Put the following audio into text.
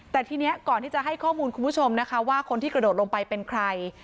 แต่ทีนี้ก่อนที่จะให้ข้อมูลคุณผู้ชมนะคะว่าคนที่กระโดดลงไปเป็นใคร